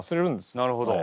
なるほど。